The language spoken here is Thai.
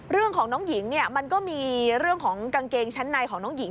เรื่องของน้องหญิงเนี่ยมันก็มีเรื่องของกางเกงชั้นในของน้องหญิง